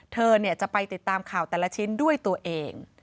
เธอจะไปติดตามข่าวแต่ละชิ้นด้วยตัวเอง